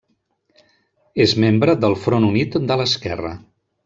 És membre del Front Unit de l'Esquerra.